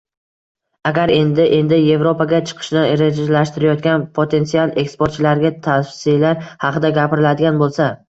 Agar endi-endi Yevropaga chiqishni rejalashtirayotgan potensial eksportchilarga tavsiyalar haqida gapiriladigan bo‘lsa.